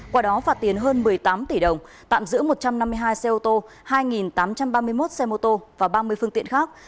qua đó phạt tiền hơn một mươi tám tỷ đồng tạm giữ một trăm năm mươi hai xe ô tô hai tám trăm ba mươi một xe mô tô và ba mươi phương tiện khác